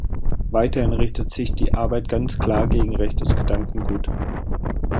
Weiterhin richtet sich die Arbeit ganz klar gegen rechtes Gedankengut.